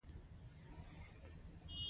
د نیوټرون ستوري کثافت ډېر لوړ دی.